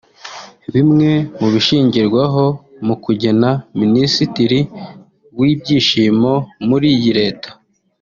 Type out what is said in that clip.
Bimwe mu bishingirwaho mu kugena Minisitiri w’Ibyishimo muri iyi Leta